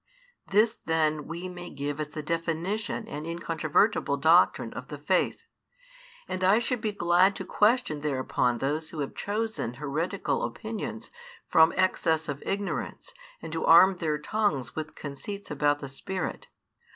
This then we may give as the definition and incontrovertible doctrine of the faith; and I should be glad to question thereupon those who have chosen heretical opinions from excess of ignorance and who arm their tongues with conceits about the Spirit.